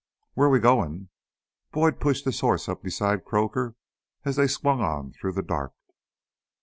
"Where're we goin'?" Boyd pushed his horse up beside Croaker as they swung on through the dark.